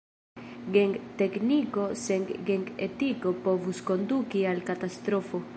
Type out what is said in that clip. Gen-tekniko sen gen-etiko povus konduki al katastrofo.